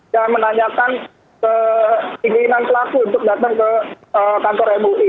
dan menanyakan keinginan pelaku untuk datang ke kantor mui